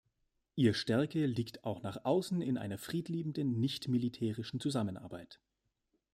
Ihr Stärke liegt auch nach außen in ihrer friedliebenden, nichtmilitärischen Zusammenarbeit.